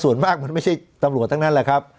ส่วนมากมันไม่ใช่ตำรวจทั้งนั้นแหละครับ